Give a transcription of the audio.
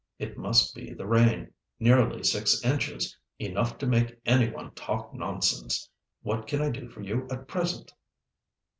It must be the rain. Nearly six inches! Enough to make any one talk nonsense. What can I do for you at present?"